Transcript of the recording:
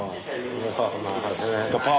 พ่อมองให้เข็มแพงก็ขอเข้ามาพ่อ